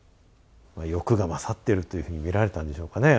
欲が勝っているというふうに見られたんでしょうかね？